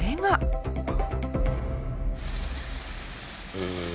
へえ。